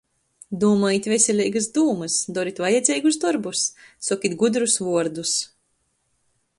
Dūmojit veseleigys dūmys, dorit vajadzeigus dorbus, sokit gudrus vuordus...